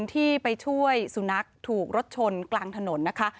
ที่ไปช่วยสุนัขถูกรถชนกลางถนนนะคะ